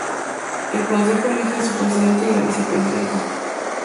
El Consejo elige a su presidente y vicepresidente.